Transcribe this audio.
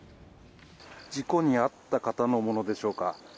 事故に遭った方のものでしょうか